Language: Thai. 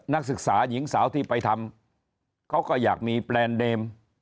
นักศึกษาหญิงสาวที่ไปทำเขาก็อยากมีแบรนดเดม